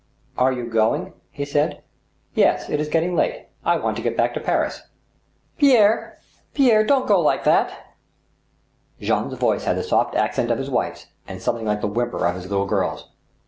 " Are you going? " he said. " Yes ; it is getting late. I want to get back to Paris." " Pierre, don't go like that I " 20 THE STEEL HAMMER. Jean's voice had the soft accent of his wife's, and something like the whimper of his little girl's.